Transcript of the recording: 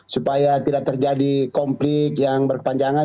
supaya tidak terjadi konflik yang berkepanjangan